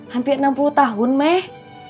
hampir enam puluh tahun meh